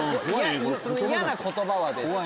「イヤな言葉は」です。